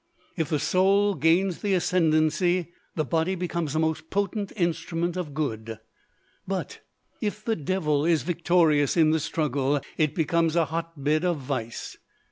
If the soul gains the ascendancy, the body becomes a most potent instrument of good; but, if the devil is victorious in the struggle, it becomes a hot bed of vice.